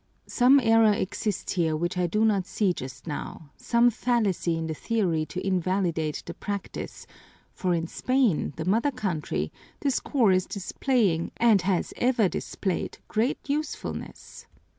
"Some error exists here which I do not see just now some fallacy in the theory to invalidate the practise, for in Spain, the mother country, this corps is displaying, and has ever displayed, great usefulness."